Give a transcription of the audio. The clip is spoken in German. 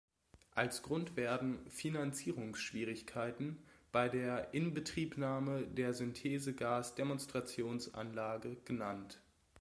Als Grund werden "Finanzierungsschwierigkeiten bei der Inbetriebnahme der Synthesegas-Demonstrationsanlage" genannt.